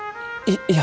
いや。